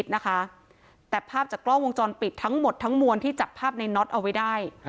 นะคะแต่ภาพจากกล้องวงจรปิดทั้งหมดทั้งมวลที่จับภาพในน็อตเอาไว้ได้